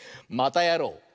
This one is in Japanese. またやろう！